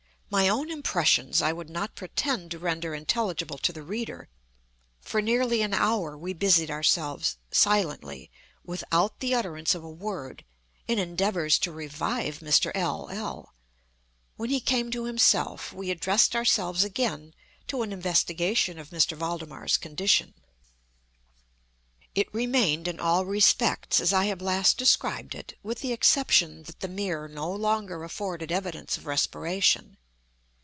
My own impressions I would not pretend to render intelligible to the reader. For nearly an hour, we busied ourselves, silently—without the utterance of a word—in endeavors to revive Mr. L—l. When he came to himself, we addressed ourselves again to an investigation of M. Valdemar's condition. It remained in all respects as I have last described it, with the exception that the mirror no longer afforded evidence of respiration.